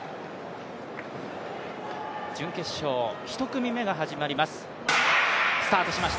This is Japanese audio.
準決勝１組目が始まります。